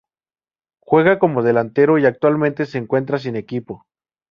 Juega como delantero y actualmente se encuentra sin equipo.